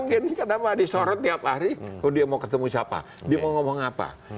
gini kenapa disorot tiap hari kalau dia mau ketemu siapa dia mau ngomong apa